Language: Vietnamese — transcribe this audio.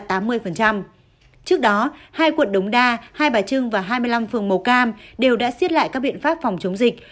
trước đó hai quận đống đa hai bà trưng và hai mươi năm phường màu cam đều đã xiết lại các biện pháp phòng chống dịch